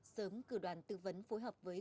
sớm cử đoàn tư vấn phối hợp với